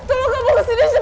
tolong kamu kesini segera